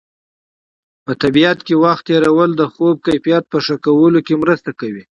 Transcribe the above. په طبیعت کې وخت تېرول د خوب کیفیت په ښه کولو کې مرسته کوي.